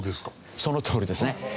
そのとおりですね。